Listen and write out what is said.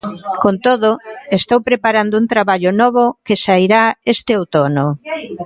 Con todo, estou preparando un traballo novo que sairá este outono.